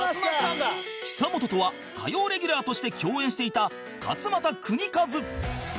久本とは火曜レギュラーとして共演していた勝俣州和